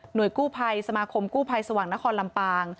โดยกู้ภัยสมาคมกู้ภัยสว่างนครลำปาง